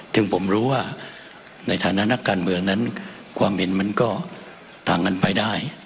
ซึ่งผมรู้ว่าในฐานะนักการเมืองนั้นความเห็นมันก็ต่างกันไปได้